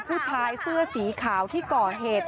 ผู้ชายเสื้อสีขาวที่ก่อเหตุ